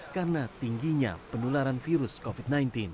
karena tingginya penularan virus covid sembilan belas